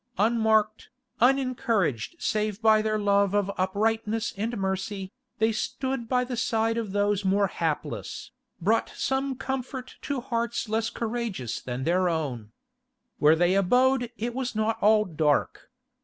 Unmarked, unencouraged save by their love of uprightness and mercy, they stood by the side of those more hapless, brought some comfort to hearts less courageous than their own. Where they abode it was not all dark.